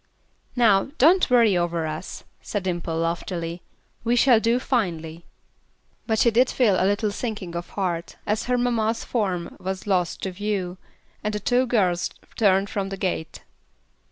"Now, don't worry over us," said Dimple, loftily; "we shall do finely." But she did feel a little sinking of heart as her mamma's form was lost to view, and the two girls turned from the gate.